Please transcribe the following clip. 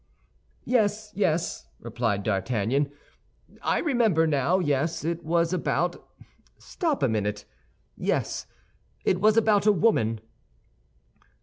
"Yes, yes," replied D'Artagnan. "I remember now; yes, it was about—stop a minute—yes, it was about a woman."